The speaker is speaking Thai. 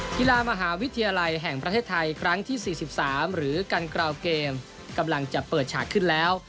กีฬามหาวิทยาลัยแห่งประเทศไทยครั้งที่๔๓หรือกันกราวเกมกำลังจะเปิดฉากขึ้นแล้ว